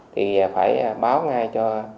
thì phải báo ngay cho